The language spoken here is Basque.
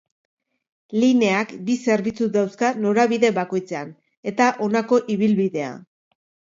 Lineak bi zerbitzu dauzka norabide bakoitzean, eta honako ibilbidea.